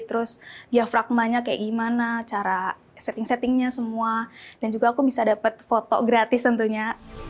terus ya fragmanya kayak gimana cara setting settingnya semua dan juga aku bisa dapat foto gratis tentunya